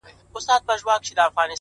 زه يې رسته نه منم عقل چي جهرچي دی وايي